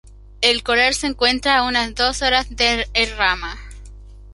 El Coral se encuentra a unas dos horas de El Rama.